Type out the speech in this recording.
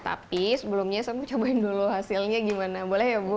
tapi sebelumnya saya mau cobain dulu hasilnya gimana boleh ya bu